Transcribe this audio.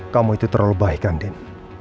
kamu itu terlalu baik andien